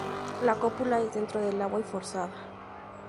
La cópula es dentro del agua y forzada.